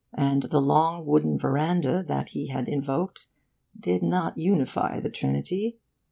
And the long wooden veranda that he had invoked did not unify the trinity.